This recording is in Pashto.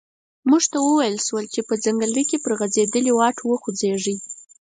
موږ ته و ویل شول چې په ځنګله کې پر غزیدلي واټ وخوځیږئ.